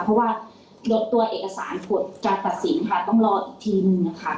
เพราะว่าตัวเอกสารกุดการตัดสินต้องรออีกทีหนึ่ง